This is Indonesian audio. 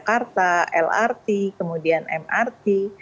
jakarta lrt kemudian mrt